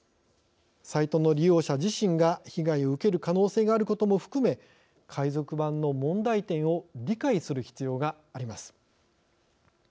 サイトの利用者自身が被害を受ける可能性があることも含め、海賊版の問題点を理解する必要があります。